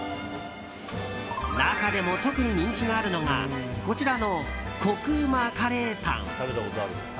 中でも、特に人気があるのがこちらのコクうまカレーパン。